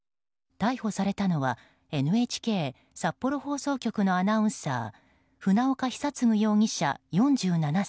逮捕されたのはＮＨＫ札幌放送局のアナウンサー船岡久嗣容疑者、４７歳。